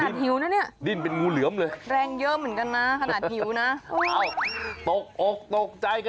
ขนาดหิวนะดิ้นเป็นงูเหลือมเลยแรงเยอะเหมือนกันนะขนาดหิวนะ